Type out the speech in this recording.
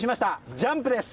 ジャンプです。